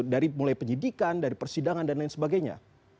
mulai dari penyidikan dari persidangan dan lain sebagainya